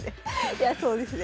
いやそうですね。